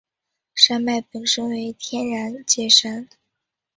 山脉本身为天然界山。